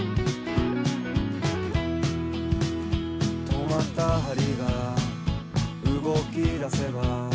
「止まった針が動き出せば」